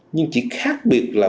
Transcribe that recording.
nhưng chỉ khác biệt là